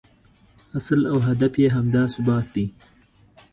اصل او هدف یې همدا ثبات دی.